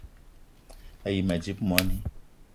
A yi ma dzip moni